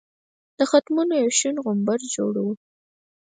د ختمونو یو شین غومبر جوړ وو.